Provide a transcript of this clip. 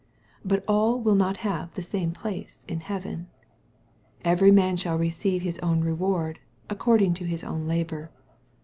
But all will not have the same place in heaven. ^' Every man shall receive his own reward, according to his own labor.''